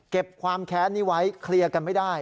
ความแค้นนี้ไว้เคลียร์กันไม่ได้